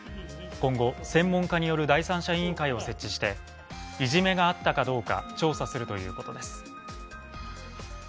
今後、専門家による第三者委員会を設置していじめがあったかどうか調査するということです。